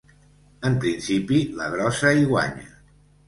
En principi la grossa hi guanya.